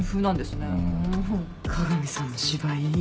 加賀美さんの芝居いい。